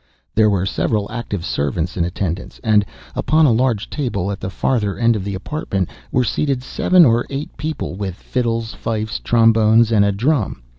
There were several active servants in attendance; and, upon a large table, at the farther end of the apartment, were seated seven or eight people with fiddles, fifes, trombones, and a drum.